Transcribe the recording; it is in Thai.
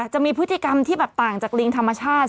จะมีพฤติกรรมที่แบบต่างจากลิงธรรมชาติ